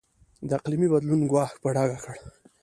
د اقلیمي بدلون ګواښ په ډاګه کړ.